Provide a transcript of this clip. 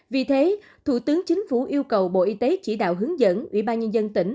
vì thế thủ tướng chính phủ yêu cầu bộ y tế chỉ đạo hướng dẫn ủy ban nhân dân tỉnh